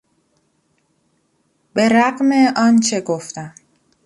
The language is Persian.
به رغم آنچه گفتم